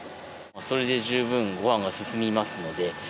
それで十分ごはんが進みます